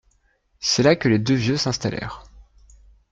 C’est là que les deux vieux s’installèrent